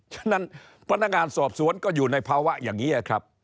ฉะนั้นพนักงานสอบสวนก็อยู่ในภาวะอย่างนี้ครับ